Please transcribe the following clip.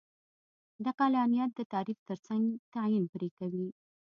د عقلانیت د تعریف ترڅنګ تعین پرې کوي.